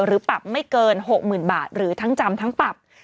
ปรับไม่เกิน๖๐๐๐บาทหรือทั้งจำทั้งปรับ